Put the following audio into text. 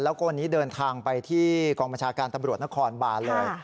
แล้วก็วันนี้เดินทางไปที่กองบัญชาการตำรวจนครบานเลย